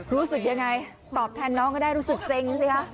รู้สึกยังไงตอบแทนน้องก็ได้รู้สึกเซ็งสิคะ